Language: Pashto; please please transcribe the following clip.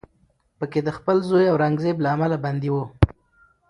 په کې د خپل زوی اورنګزیب له امله بندي و